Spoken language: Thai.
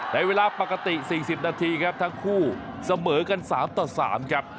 ในเวลาปกติ๔๐นาทีครับทั้งคู่เสมอกัน๓ต่อ๓ครับ